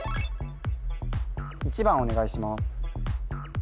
１番お願いします